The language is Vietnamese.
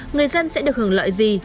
người dân sẽ được hưởng lợi gì